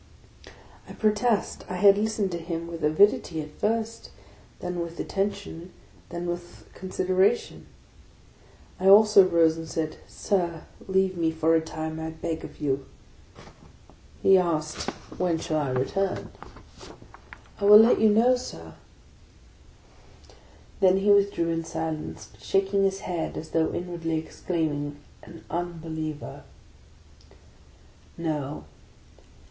I protest I had listened to him with avidity at first, then with attention, then with consideration. I also rose and said, " Sir, leave me for a time, I beg of you." He asked, " When shall I return." OF A CONDEMNED 81 " I will let you know, Sir." Then he withdrew in silence, but shaking his head as though inwardly exclaiming, " An Unbeliever." No!